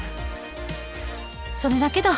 それだけだ。